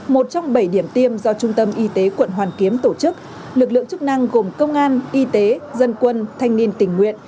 một trong bảy điểm tiêm do trung tâm y tế quận hoàn kiếm tổ chức lực lượng chức năng gồm công an y tế dân quân thanh niên tình nguyện